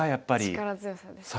力強さですよね。